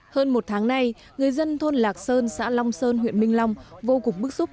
hơn một tháng nay người dân thôn lạc sơn xã long sơn huyện minh long vô cùng bức xúc